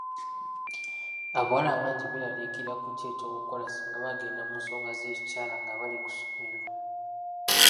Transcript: Abawala bangi beeraliikirira ku ki eky'okukola singa bagenda mu nsonga z'ekikyala nga bali ku ssomero.